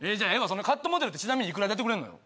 そのカットモデルってちなみにいくらでやってくれんのよ？